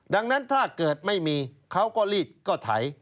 ดังนั้นถ้าเกิดไม่มีเขาก็รีดก็ไถ